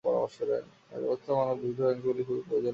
এমতাবস্থায় মানব দুগ্ধ ব্যাংকগুলি খুবই প্রয়োজন হয়ে পরে।